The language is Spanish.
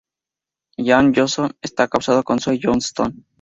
Shaun Johnston está casado con Sue Johnston.